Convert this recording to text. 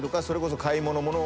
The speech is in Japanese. それこそ買い物。